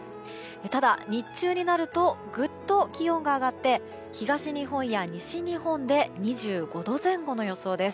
ただ、日中になるとぐっと気温が上がって東日本や西日本で２５度前後の予想です。